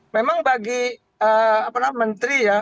memang bagi menteri ya